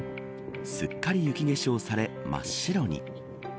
すっかり雪化粧され真っ白に。